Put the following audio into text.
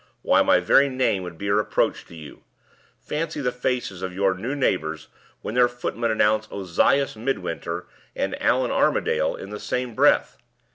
Why, my very name would be a reproach to you. Fancy the faces of your new neighbors when their footmen announce Ozias Midwinter and Allan Armadale in the same breath!"